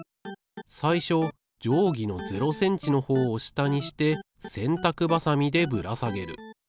最初定規の０ｃｍのほうを下にして洗濯バサミでぶら下げる。